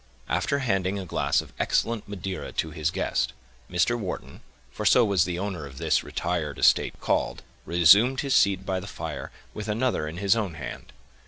After handing a glass of excellent Madeira to his guest, Mr. Wharton, for so was the owner of this retired estate called, resumed his seat by the fire, with another in his own hand.